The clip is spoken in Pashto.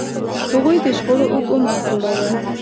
هغوی د شخړو اوږد عمر جوړاوه.